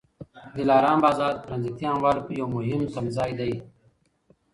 د دلارام بازار د ټرانزیټي اموالو یو مهم تمځای دی.